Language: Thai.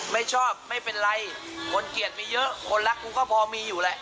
ไม่ชอบไม่เป็นไรคนเกลียดมีเยอะคนรักกูก็พอมีอยู่แหละ